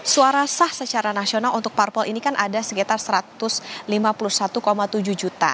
suara sah secara nasional untuk parpol ini kan ada sekitar satu ratus lima puluh satu tujuh juta